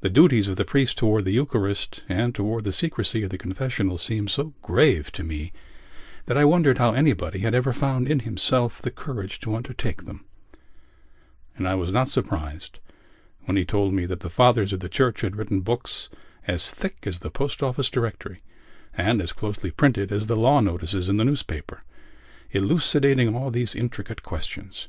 The duties of the priest towards the Eucharist and towards the secrecy of the confessional seemed so grave to me that I wondered how anybody had ever found in himself the courage to undertake them; and I was not surprised when he told me that the fathers of the Church had written books as thick as the Post Office Directory and as closely printed as the law notices in the newspaper, elucidating all these intricate questions.